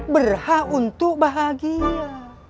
berhak untuk bahagia